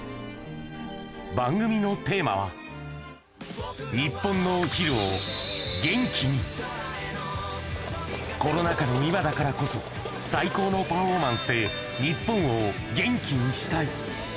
番組のテーマは、日本のお昼を元気に！コロナ禍の今だからこそ、最高のパフォーマンスで、日本を元気にしたい。